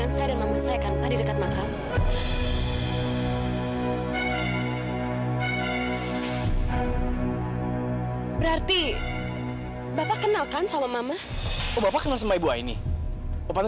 sampai jumpa di video selanjutnya